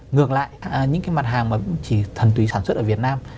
ngược lại những cái mặt hàng mà chỉ thần túy sản xuất ở việt nam